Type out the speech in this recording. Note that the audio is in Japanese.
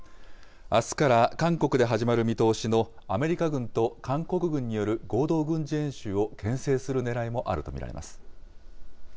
あすから韓国で始まる見通しのアメリカ軍と韓国軍による合同軍事演習をけん制するねらいもあると見られます。